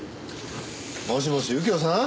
もしもし右京さん？